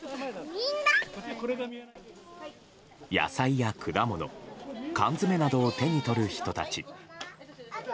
野菜や果物缶詰などを手に取る人たち。